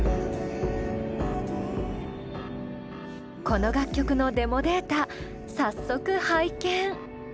この楽曲のデモデータ早速拝見。